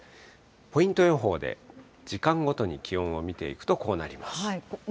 ポイント予報で、時間ごとに気温を見ていくと、こうなります。